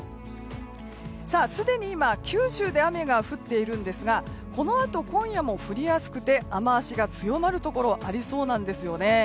すでに今、九州で雨が降っているんですがこのあと、今夜も降りやすくて雨脚が強まるところありそうなんですよね。